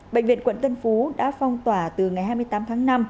bệnh viện quận tân phú đã phong tỏa từ ngày hai mươi tám tháng năm